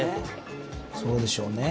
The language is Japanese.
そうでしょうね。